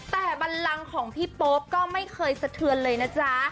แต่บันลังของพี่โป๊ปก็ไม่เคยสะเทือนเลยนะจ๊ะ